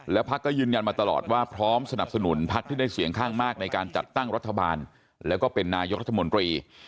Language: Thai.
พักก็ยืนยันมาตลอดว่าพร้อมสนับสนุนพักที่ได้เสียงข้างมากในการจัดตั้งรัฐบาลแล้วก็เป็นนายกรัฐมนตรี